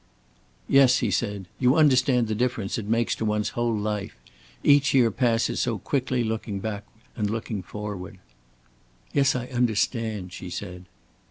"Yes," he said. "You understand the difference it makes to one's whole life. Each year passes so quickly looking back and looking forward." "Yes, I understand," she said.